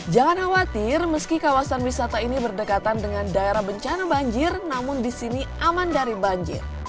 jangan khawatir meski kawasan wisata ini berdekatan dengan daerah bencana banjir namun di sini aman dari banjir